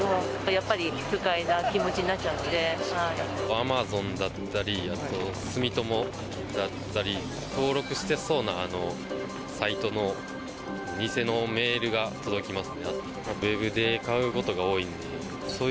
アマゾンだったりあと住友だったり登録してそうなサイトの偽のメールが届きます。